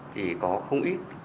thì có không ít